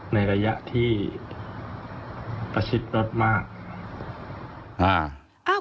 ในระยะที่ประชิดรถมาก